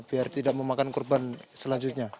biar tidak memakan korban selanjutnya